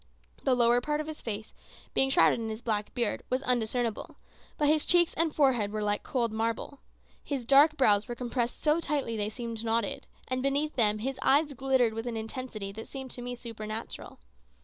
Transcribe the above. The lower part of his face, being shrouded in his black beard, was undiscernible; but his cheeks and forehead were like cold marble. His dark brows were compressed so tightly that they seemed knotted, and beneath them his eyes glittered with an intensity that seemed to me supernatural.